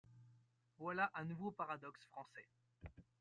Voilà un nouveau paradoxe français.